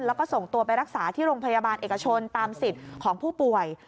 แล้วก็ส่งตัวไปรักษาที่โรงพยาบาลเอกชนตามสิทธิ์ของผู้ป่วย